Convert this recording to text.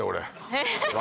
えっ！